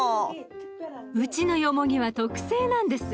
うちのよもぎは特製なんです。